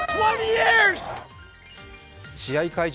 試合会場